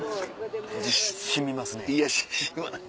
染みますね。